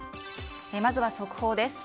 まずは速報です。